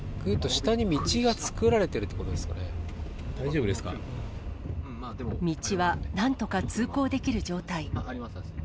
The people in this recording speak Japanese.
下に道が作られているということ道はなんとか通行できる状態。